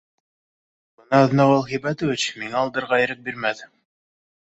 Бына Аҙнағол Һибәтович миңә алдарға ирек бирмәҫ